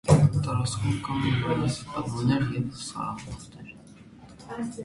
Տարածքում կան նաև բլուրներ և սարահարթեր։